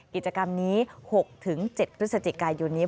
กิจกรรมนี้๖๗พฤศจิกายนนี้